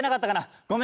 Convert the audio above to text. ごめんね。